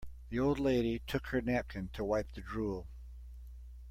The old lady took her napkin to wipe the drool.